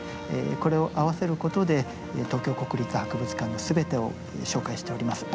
これを合わせることで東京国立博物館のすべてを紹介しております。